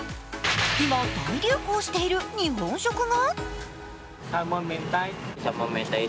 今、大流行している日本食が？